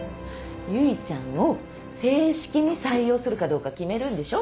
結ちゃんを正式に採用するかどうか決めるんでしょ。